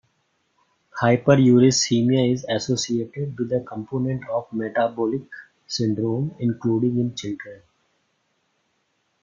Hyperuricemia is associated with components of metabolic syndrome, including in children.